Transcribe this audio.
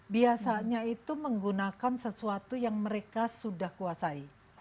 biasanya itu menggunakan sesuatu yang mereka sudah kuasai